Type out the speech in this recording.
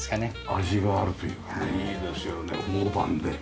味があるというかねいいですよね大判で。